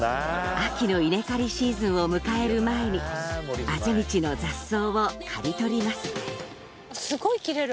秋の稲刈りシーズンを迎える前にあぜ道の雑草を刈り取りますすごい切れる。